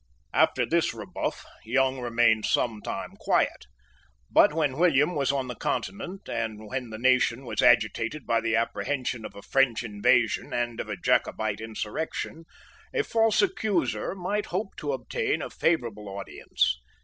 After this rebuff, Young remained some time quiet. But when William was on the Continent, and when the nation was agitated by the apprehension of a French invasion and of a Jacobite insurrection, a false accuser might hope to obtain a favourable audience.